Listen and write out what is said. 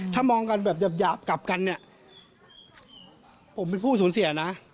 ถ้ามองกันแบบหยาบกลับกันเนี่ยผมเป็นผู้สูญเสียนะ